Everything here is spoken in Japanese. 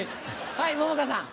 はい桃花さん。